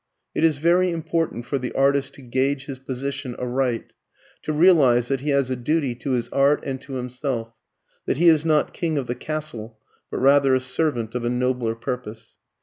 It is very important for the artist to gauge his position aright, to realize that he has a duty to his art and to himself, that he is not king of the castle but rather a servant of a nobler purpose.